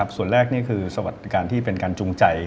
ส่วนแรกนี่คือสวัสดิการที่เป็นการจูงใจ